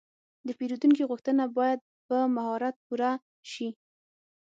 د پیرودونکي غوښتنه باید په مهارت پوره شي.